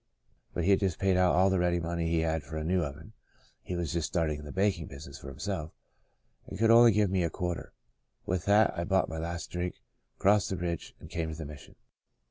But he had just paid out all the ready money he had for a new oven (he was just starting in the baking business for himself), and could only give me a quarter. With that I bought my last drink, crossed the bridge, and came to the Mission.